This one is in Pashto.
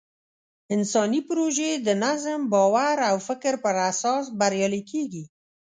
انساني پروژې د نظم، باور او فکر په اساس بریالۍ کېږي.